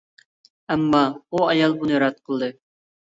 ئەمما، ئۇ ئايال بۇنى رەت قىلدى.